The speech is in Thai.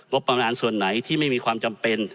ประมาณส่วนไหนที่ไม่มีความจำเป็น